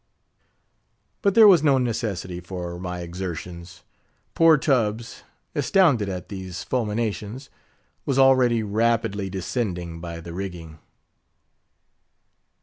But there was no necessity for my exertions. Poor Tubbs, astounded at these fulminations, was already rapidly descending by the rigging.